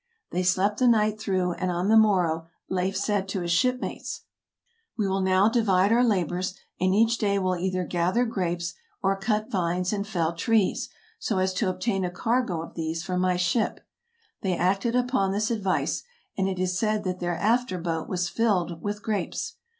They slept the night through, and on the morrow Leif said to his shipmates, " We will now divide our labors, and each day will .either gather grapes or cut vines and fell trees, so as to obtain a cargo of these for my ship. '' They acted upon this advice, and it is said that their after boat was filled with grapes.